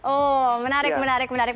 oke menarik menarik menarik